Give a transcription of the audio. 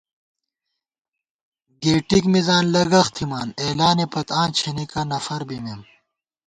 گېٹِک مِزان لگَخ تھِمان، اعلانےپت آں چھېنېکہ نفربِمېم